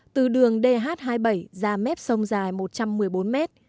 từ đường dh hai mươi bảy ra mép sông dài một trăm một mươi bốn mét